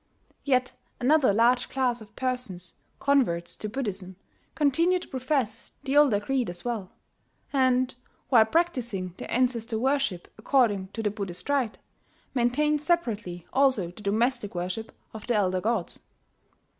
Yet another large class of persons, converts to Buddhism, continued to profess the older creed as well; and, while practising their ancestor worship according to the Buddhist rite, maintained separately also the domestic worship of the elder gods.